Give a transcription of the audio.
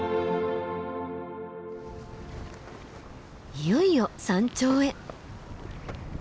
いよいよ山頂へ。